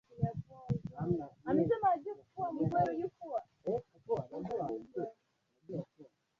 Jacob akamuwahi na kumjaza kisu kooni